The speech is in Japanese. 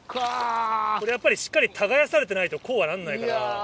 やっぱりしっかり耕されてないとこうはなんないから。